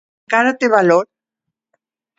Encara té valor.